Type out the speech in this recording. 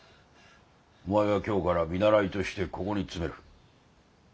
お前は今日から見習いとしてここに詰める。